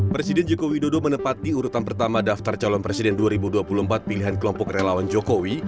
presiden joko widodo menempati urutan pertama daftar calon presiden dua ribu dua puluh empat pilihan kelompok relawan jokowi